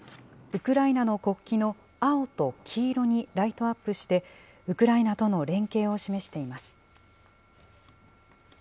ウクライナの国旗の青と黄色にライトアップして、ウクライナとの連携を示しています。